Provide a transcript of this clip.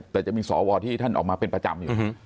แต่จะมีสวที่ท่านออกมาเป็นประจำอยู่